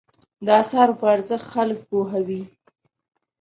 د اثارو په ارزښت خلک وپوهوي.